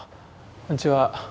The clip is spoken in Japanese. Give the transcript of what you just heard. こんにちは。